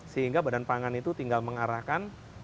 sehingga badan pangan itu tinggal mengarahkan